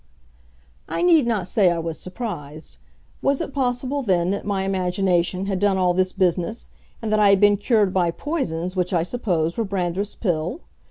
I need not say I was surprised. Was it possible, then, that my imagination had done all this business, and that I had been cured by poisons which I supposed were Brandreth's Pill?